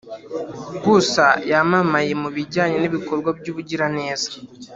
gusa yamamaye mu bijyanye n’ibikorwa by’ubugiraneza